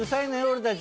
俺たち。